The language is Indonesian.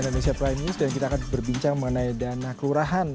ada masih di cnn news dan kita akan berbincang mengenai dana kelurahan